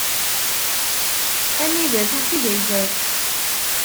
Anida tufeg ay ters.